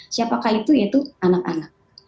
siapakah itu yaitu anak anak